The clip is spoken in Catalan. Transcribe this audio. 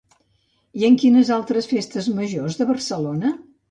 I en quines altres festes majors de Barcelona?